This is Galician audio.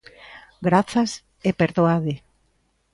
Grazas, e perdoade.